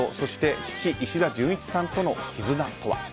父・石田純一さんとの絆とは。